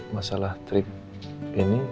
masalah trip ini